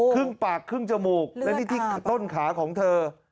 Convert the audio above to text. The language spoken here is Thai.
ครึ่งปากครึ่งจมูกและนี่ที่ต้นขาของเธอ